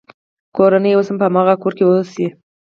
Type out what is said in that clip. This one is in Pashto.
کورنۍ یې اوس هم په هماغه کور کې اوسي.